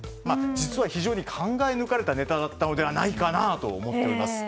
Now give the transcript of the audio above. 実は非常に考え抜かれたネタだったのではないかなと思っています。